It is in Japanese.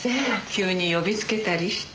急に呼びつけたりして。